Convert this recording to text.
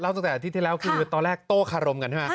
ตั้งแต่อาทิตย์ที่แล้วคือตอนแรกโต้คารมกันใช่ไหม